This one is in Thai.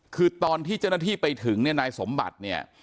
คือตอนที่เจ้าหน้าที่ไปถึงเนี่ยนายสมบัติเนี่ย